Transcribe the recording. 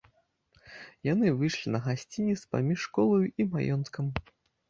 Яны выйшлі на гасцінец паміж школаю і маёнткам.